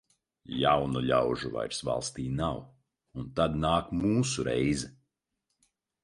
Jaunu ļaužu vairs valstī nav, un tad nāk mūsu reize.